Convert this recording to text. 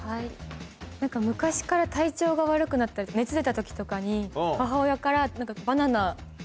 何か昔から体調が悪くなったり熱出た時とかに母親から何か「バナナ食べなさい」。